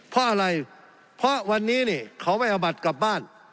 เพราะอะไรเพราะวันนี้เนี่ยเขาไม่เอาบัตรกลับบ้าน